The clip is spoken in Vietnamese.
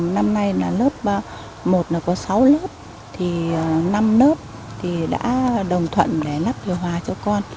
năm nay là lớp một có sáu lớp thì năm lớp thì đã đồng thuận để lắp điều hòa cho con